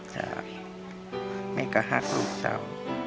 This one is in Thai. ใช่แม่ก็หักลูกเจ้า